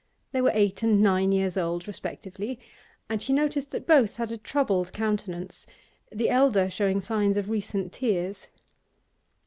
They were eight and nine years old respectively, and she noticed that both had a troubled countenance, the elder showing signs of recent tears.